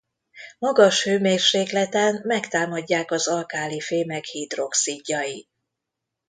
Magas hőmérsékleten megtámadják az alkálifémek hidroxidjai.